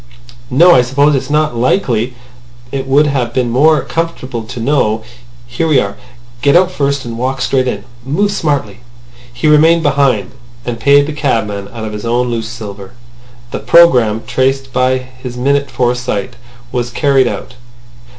"No. I suppose it's not likely. It would have been more comfortable to know. ... Here we are. Get out first, and walk straight in. Move smartly." He remained behind, and paid the cabman out of his own loose silver. The programme traced by his minute foresight was carried out.